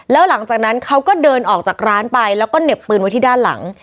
แล้วหลังจากนั้นเขาก็เดินออกจากร้านไปแล้วก็เหน็บปืนไว้ที่ด้านหลัง